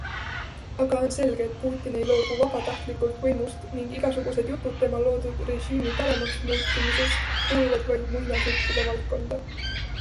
Aga on selge, et Putin ei loobu vabatahtlikult võimust ning igasugused jutud tema loodud režiimi paremaks muutumisest kuuluvad vaid muinasjuttude valdkonda.